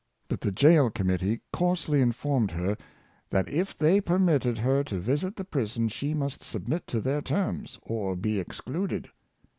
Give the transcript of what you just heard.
But the Jail Committee coarsely informed her " that, if they permitted her to visit the prison, she must submit to their terms, or be excluded."